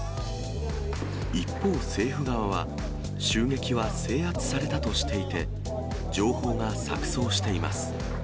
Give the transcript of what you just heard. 一方、政府側は襲撃は制圧されたとしていて、情報が錯そうしています。